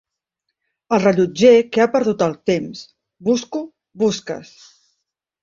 El rellotger que ha perdut el temps: —Busco busques.